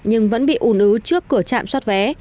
nhưng vẫn bị ủn ứu trước cửa trạm xót vé